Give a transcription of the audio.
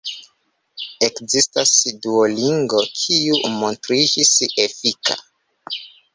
Ekzistas Duolingo, kiu montriĝis efika.